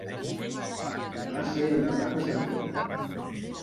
Va ser enterrat a Sant Pere.